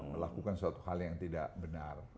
melakukan suatu hal yang tidak benar